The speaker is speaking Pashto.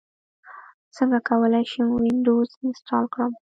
څنګه کولی شم وینډوز انسټال کړم